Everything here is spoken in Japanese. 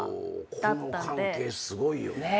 この関係すごいよね。